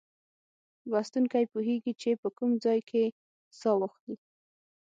لوستونکی پوهیږي چې په کوم ځای کې سا واخلي.